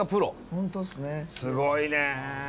すごいね。